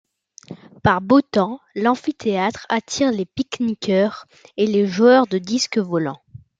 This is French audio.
Par beau temps, l'amphithéâtre attire les pique-niqueurs et les joueurs de disque volant.